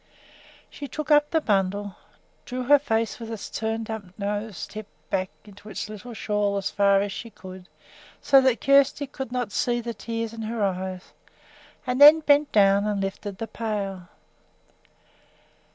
She took up the bundle, drew her face with its turned up nose tip back into its little shawl as far as she could so that Kjersti should not see the tears in her eyes, and then bent down and lifted the pail.